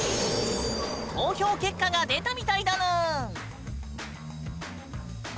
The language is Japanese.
投票結果が出たみたいだぬん！